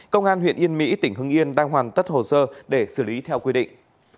công an huyện yên mỹ tỉnh hưng yên đang hoàn tất hồ sơ để xử lý theo quy định